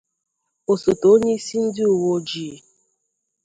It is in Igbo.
osote onye isi ndị uwe ojii